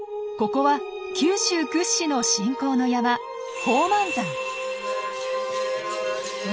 ここは九州屈指の信仰の山宝満山。